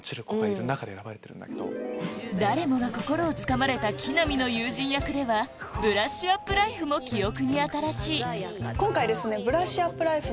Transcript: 誰もが心をつかまれた木南の友人役では『ブラッシュアップライフ』も記憶に新しい今回ですね。